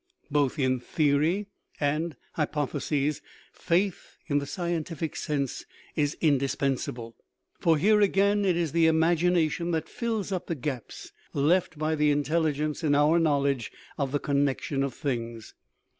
Both in theory and hypothesis "faith" (in the scientific sense) is indispensable ; for here again it is the imagination that fills up the gaps left by the in telligence in our knowledge of the connection of things.